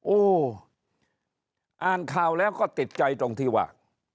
โอ้อ่านข่าวแล้วก็ติดใจตรงที่ว่า